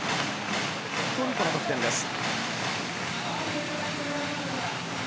トルコの得点です。